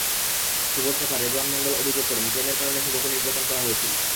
শুভর চাচা রেজোয়ান মণ্ডল অভিযোগ করেন, প্রেমের কারণে শুভকে নির্যাতন করা হয়েছিল।